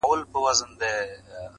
o د دښمن په خوږو خبرو مه تېر وزه.